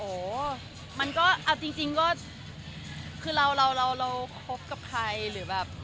โอ้มันก็เอาจริงก็คือเราเราคบกับใคร